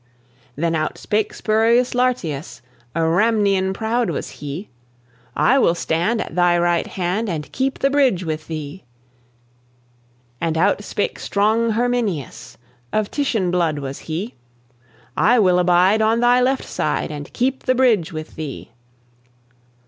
Then out spake Spurius Lartius A Ramnian proud was he I will stand at thy right hand, And keep the bridge with thee." And out spake strong Herminius Of Titian blood was he "I will abide on thy left side, And keep the bridge with thee."